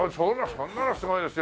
それならすごいですよ。